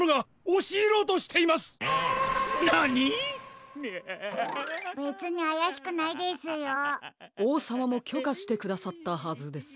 おうさまもきょかしてくださったはずです。